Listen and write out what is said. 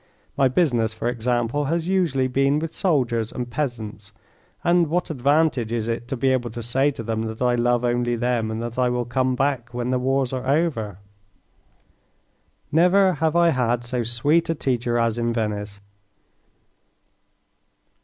My business, for example, has usually been with soldiers and peasants, and what advantage is it to be able to say to them that I love only them, and that I will come back when the wars are over? Never have I had so sweet a teacher as in Venice.